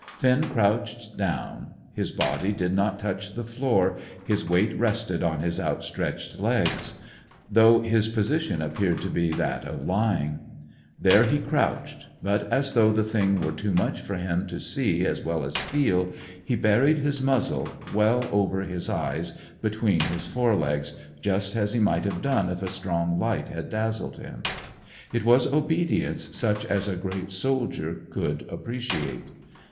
Finn crouched down. His body did not touch the floor; his weight rested on his outstretched legs, though his position appeared to be that of lying. There he crouched; but, as though the thing were too much for him to see as well as feel, he buried his muzzle, well over the eyes, between his fore legs, just as he might have done if a strong light had dazzled him. It was obedience such as a great soldier could appreciate.